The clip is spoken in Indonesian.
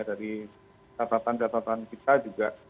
dari catatan catatan kita juga